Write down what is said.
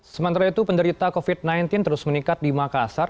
sementara itu penderita covid sembilan belas terus meningkat di makassar